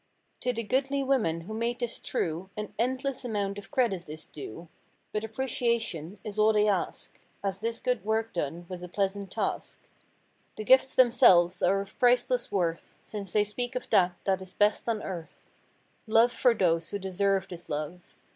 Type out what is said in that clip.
To the goodly women who made this true An endless amount of credit is due; But appreciation is all they ask— As this good work done was a pleasant task. The gifts themselves are of priceless worth, Since they speak of that that is best on earth: Love for those who deserve this love!